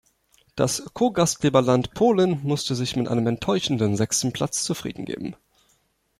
Das Co-Gastgeberland Polen musste sich mit einem enttäuschenden sechsten Platz zufriedengeben.